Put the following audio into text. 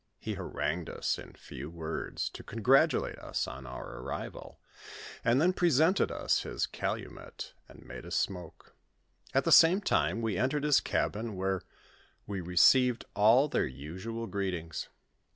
lie harangued us in few words, to congratulate us on our arrival, and then presented us his calumet and made us smoke ; at the same time we entered his cabin, where wo received all their usual greetings.